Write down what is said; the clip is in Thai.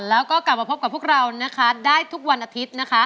แล้วก็กลับมาพบกับพวกเรานะคะได้ทุกวันอาทิตย์นะคะ